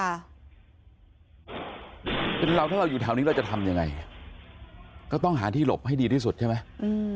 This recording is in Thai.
เราถ้าเราอยู่แถวนี้เราจะทำยังไงก็ต้องหาที่หลบให้ดีที่สุดใช่ไหม